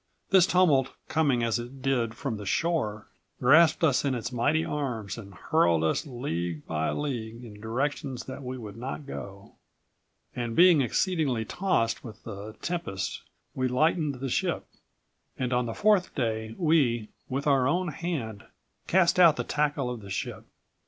This tumult, coming as it did from the shore, grasped us in118 its mighty arms and hurled us league by league in directions that we would not go. And being exceedingly tossed with the tempest we lightened the ship. On the fourth day we, with our own hand, cast out the tackle of the ship.